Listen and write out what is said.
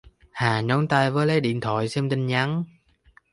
hà nhón tay với lấy điện thoại xem tin nhắn